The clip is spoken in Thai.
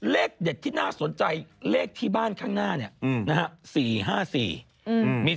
เลขเด็ดที่น่าสนใจเลขที่บ้านข้างหน้าเนี่ย